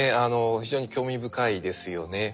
非常に興味深いですよね。